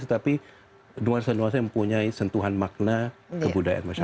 tetapi luar sana luar sana mempunyai sentuhan makna kebudayaan masyarakat